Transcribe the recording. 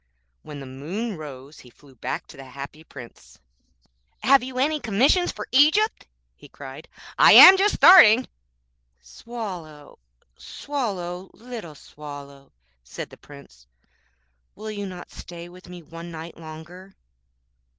When the moon rose he flew back to the Happy Prince. 'Have you any commissions for Egypt?' he cried; 'I am just starting.' 'Swallow, Swallow, little Swallow,' said the Prince, 'will you not stay with me one night longer?'